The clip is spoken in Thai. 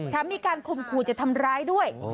แถมมีการข่มขู่จะทำร้ายด้วย